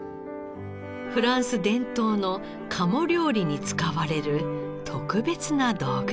フランス伝統の鴨料理に使われる特別な道具です。